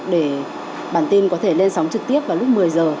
để bản tin có thể lên sóng trực tiếp vào lúc một mươi giờ